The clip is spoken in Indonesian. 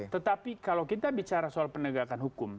tetapi kalau kita bicara soal penegakan hukum